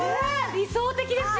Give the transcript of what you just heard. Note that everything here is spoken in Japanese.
理想的ですよ！